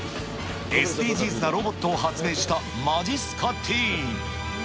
ＳＤＧｓなロボットを発明したまじっすかティーン。